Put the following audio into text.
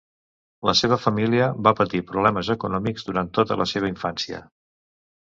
La seva família va patir problemes econòmics durant tota la seva infància.